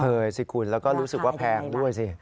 เคยสิคุณและรู้สึกว่าแพงด้วยสิ